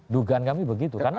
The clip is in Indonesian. dugaan kami begitu